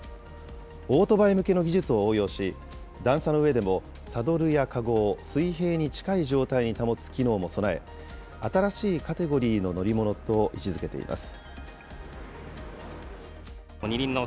オートバイ向けの技術を応用し、段差の上でもサドルやカゴを水平に近い状態に保つ機能も備え、新しいカテゴリーの乗り物と位置づけています。